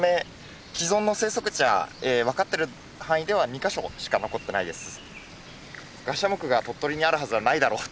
既存の生息地は分かってる範囲では２か所しか残ってないです。